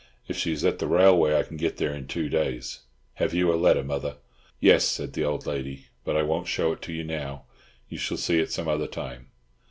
If she is at the railway, I can get there in two days. Have you a letter, Mother?" "Yes," said the old lady, "but I won't show it to you now. You shall see it some other time."